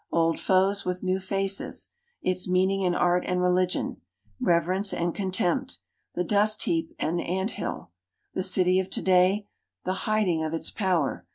Old foes with new faces. Its meaning in Art and Religion. Reverence and contempt. The dust heaii and ant hill. The city of today. The " hiding of its power."